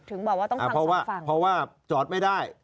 ถึงบอกว่าต้องทางสองฝั่งเพราะว่าจอดไม่ได้